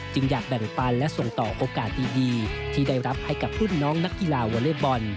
อยากแบ่งปันและส่งต่อโอกาสดีที่ได้รับให้กับรุ่นน้องนักกีฬาวอเล็กบอล